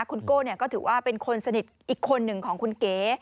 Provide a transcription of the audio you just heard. คุณโก้ก็ถือว่าเป็นคนสนิทอีกคนหนึ่งของคุณเก๋